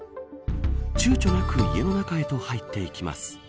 ちゅうちょなく家の中へと入っていきます。